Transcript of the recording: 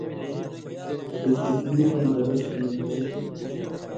چے چشمی وَیں زرت نی ہوتھی۔